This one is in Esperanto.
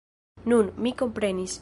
Nun, mi komprenis.